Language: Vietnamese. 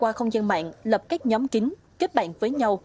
qua không gian mạng lập các nhóm kính kết bạn với nhau